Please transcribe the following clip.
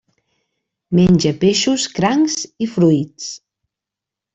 Menja peixos, crancs i fruits.